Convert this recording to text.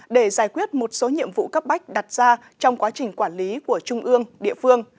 để giải quyết một số nhiệm vụ cấp bách đặt ra trong quá trình quản lý của trung ương địa phương